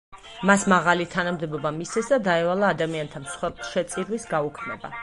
მას მაღალი თანამდებობა მისცეს და დაევალა ადამიანთა მსხვერპლშეწირვის გაუქმება.